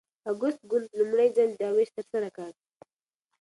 اګوست کنت لومړی ځل دا ویش ترسره کړ.